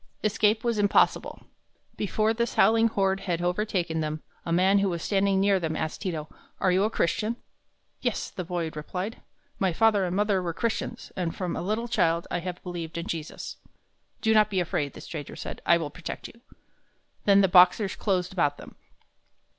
Escape was impossible. Before this howling horde had overtaken them, a man who was standing near them asked Ti to, "Are you a Christian?" "Yes," the boy replied. "My father and mother were Christians, and from a little child I have believed in Jesus." "Do not be afraid," the stranger said; "I will protect you." Then the Boxers closed about them.